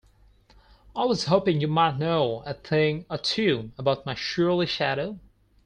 I was hoping you might know a thing or two about my surly shadow?